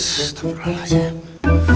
sssst tak perlu lagi